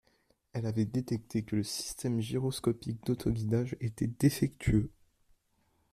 Elle avait détecté que le système gyroscopique d'autoguidage était défectueux.